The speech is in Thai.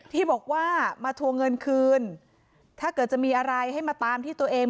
ที่บอกว่ามาทวงเงินคืนถ้าเกิดจะมีอะไรให้มาตามที่ตัวเอง